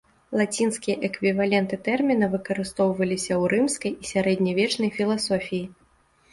Лацінскія эквіваленты тэрміна выкарыстоўваліся ў рымскай і сярэднявечнай філасофіі.